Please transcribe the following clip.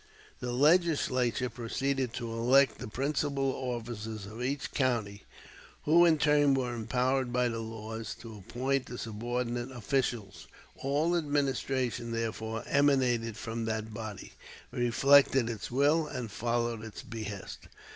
The Legislature proceeded to elect the principal officers of each county, who in turn were empowered by the laws to appoint the subordinate officials. All administration, therefore, emanated from that body, reflected its will, and followed its behest.